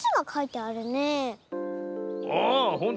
あほんとだ。